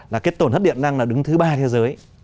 là cái tổn hất điện năng là đứng thứ ba thế giới